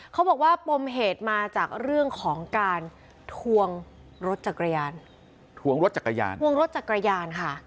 เขาบอกว่าปมเหตุมาจากเรื่องของการทวงรถจักรยานทวงรถจักรยานทวงรถจักรยานค่ะ